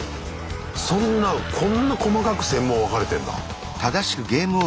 そんなこんな細かく専門分かれてんだ。